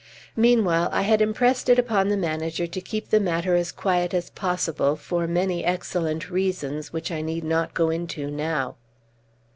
Meanwhile I had impressed it upon the manager to keep the matter as quiet as possible, for many excellent reasons, which I need not go into now."